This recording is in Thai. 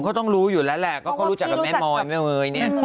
หนุ่มก็ต้องรู้อยู่แล้วแหละก็เขารู้จักกับแม่มอยเนี่ย